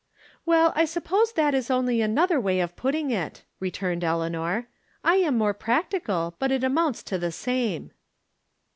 " Well, I suppose that is only another way of putting it," returned Eleanor. " I am more prac tical, but it amounts to the same."